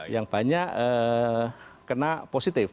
yang banyak kena positif